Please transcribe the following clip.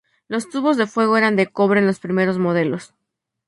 Los tubos de fuego eran de cobre en los primeros modelos.